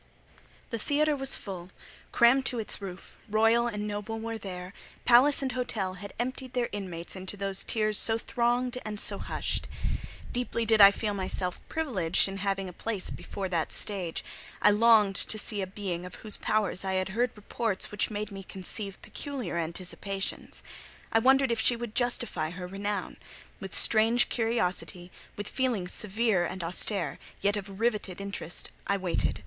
The theatre was full—crammed to its roof: royal and noble were there: palace and hotel had emptied their inmates into those tiers so thronged and so hushed. Deeply did I feel myself privileged in having a place before that stage; I longed to see a being of whose powers I had heard reports which made me conceive peculiar anticipations. I wondered if she would justify her renown: with strange curiosity, with feelings severe and austere, yet of riveted interest, I waited.